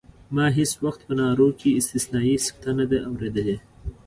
ما هېڅ وخت په نارو کې استثنایي سکته نه ده اورېدلې.